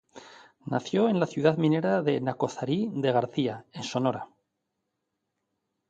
Nació en la ciudad minera de Nacozari de García, en Sonora.